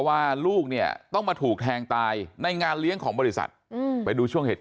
แล้วทุกคนจะต้องห่วงตัวข้าเป็นที่ถูกใช้จัง